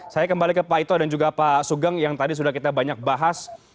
saya kembali ke pak ito dan juga pak sugeng yang tadi sudah kita banyak bahas